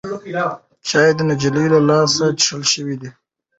چای د نجلۍ له لاسه څښل شوی دی.